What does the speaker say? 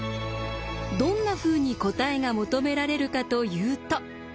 どんなふうに答えが求められるかというと。